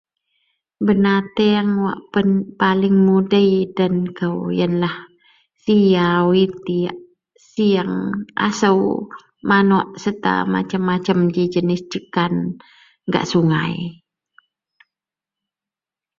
Benateng wak paling mudei den kou iyenlah siaw, itek, sieng, asou, manuk serta masem-masem g jenaih jekan gak sungai